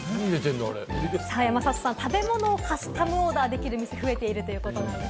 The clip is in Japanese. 食べ物をカスタムオーダーできるお店、増えているということです。